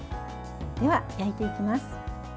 では、焼いていきます。